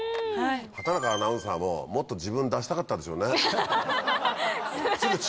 畑中アナウンサーももっと自分出したかったでしょうね。